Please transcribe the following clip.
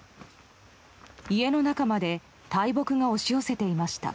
家の中まで大木が押し寄せていました。